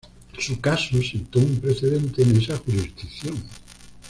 Su caso sentó un precedente en esa jurisdicción.